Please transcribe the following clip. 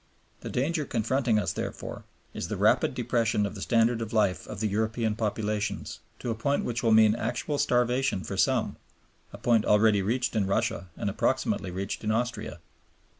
The danger confronting us, therefore, is the rapid depression of the standard of life of the European populations to a point which will mean actual starvation for some (a point already reached in Russia and approximately reached in Austria).